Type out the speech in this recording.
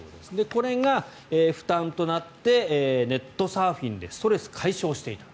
これが負担となってネットサーフィンでストレス解消していた。